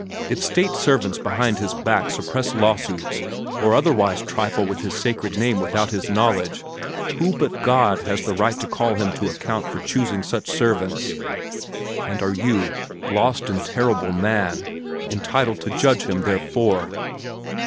If state servants behind his back suppress lawsuits or otherwise trifle with his sacred name without his knowledge, who but God has the right to call him to account for choosing such servants, and are you, lost and terrible man, entitled to judge him therefor?"